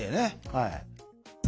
はい。